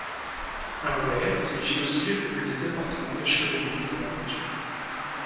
Un weyr signifie aussi les appartements des chevaliers et de leur monture.